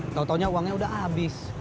tau taunya uangnya udah habis